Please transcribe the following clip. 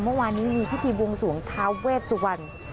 เมื่อวานนี้มีพิธีบวงสวงท้าเวชสุวรรณ